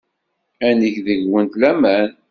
Ad neg deg-went laman.